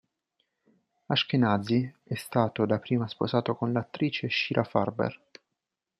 Ashkenazi è stato da prima sposato con l'attrice Shira Farber.